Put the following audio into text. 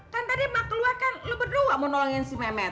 kan tadi mak keluarkan lo berdua mau nolongin si memet